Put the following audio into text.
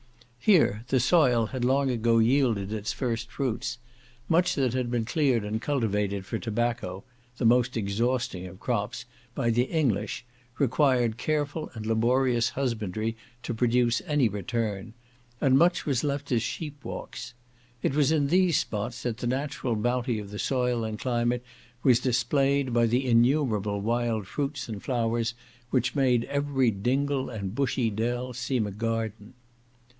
Here the soil had long ago yielded its first fruits; much that had been cleared and cultivated for tobacco (the most exhausting of crops) by the English, required careful and laborious husbandry to produce any return; and much was left as sheep walks. It was in these spots that the natural bounty of the soil and climate was displayed by the innumerable wild fruits and flowers which made every dingle and bushy dell seem a garden.